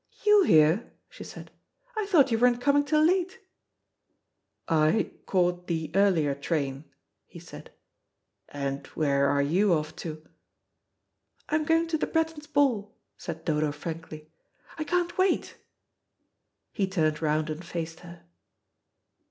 "You here?" she said. "I thought you weren't coming till late." "I caught the earlier train," he said; "and where are you off to?" "I'm going to the Brettons' ball," said Dodo frankly; "I can't wait." He turned round and faced her.